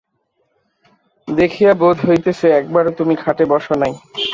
দেখিয়া বোধ হইতেছে, একবারও তুমি খাটে বস নাই।